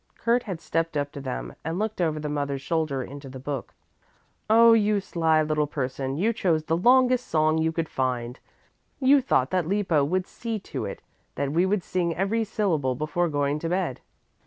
Kurt had stepped up to them and looked over the mother's shoulder into the book. "Oh, you sly little person! So you chose the longest song you could find. You thought that Lippo would see to it that we would sing every syllable before going to bed."